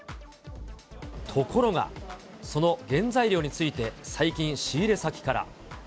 ところが、その原材料について最近、仕入れ先から。